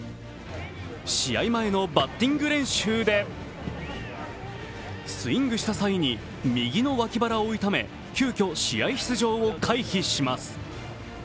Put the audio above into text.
試合前のバッティング練習でスイングした際に右の脇腹を痛め、急遽、試合出場を回避します。